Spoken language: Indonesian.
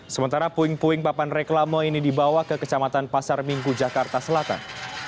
sementara puing puing papan reklama ini dibawa ke kecamatan pasar minggu jakarta selatan